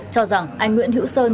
cho rằng anh nguyễn hữu sơn